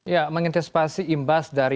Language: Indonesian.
ya mengintespasi imbas dari